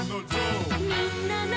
「みんなの」